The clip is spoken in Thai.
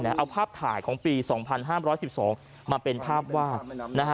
เอาภาพถ่ายของปี๒๕๑๒มาเป็นภาพวาด